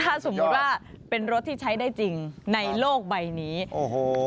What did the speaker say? ถ้าสมมุติว่าเป็นรถที่ใช้ได้จริงในโลกใบนี้โอ้โห